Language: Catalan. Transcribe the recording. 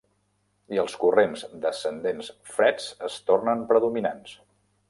I els corrents descendents freds es tornen predominants.